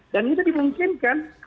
dan itu dimungkinkan